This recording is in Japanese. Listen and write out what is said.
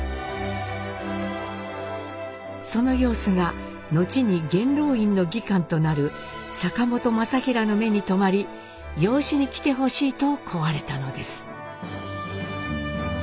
その様子が後に元老院の議官となる坂本政均の目に留まり養子に来てほしいと請われたのです。